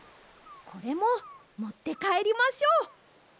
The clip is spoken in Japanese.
これももってかえりましょう。